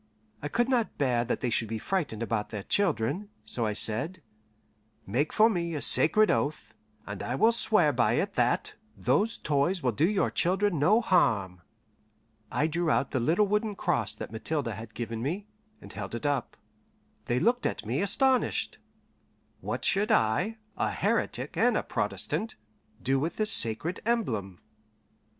I could not bear that they should be frightened about their children, so I said: "Make for me a sacred oath, and I will swear by it that those toys will do your children no harm." I drew out the little wooden cross that Mathilde had given me, and held it up. They looked at me astonished. What should I, a heretic and a Protestant, do with this sacred emblem?